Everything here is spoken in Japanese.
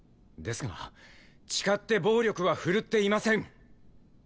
ですが誓って暴力は振るっていません。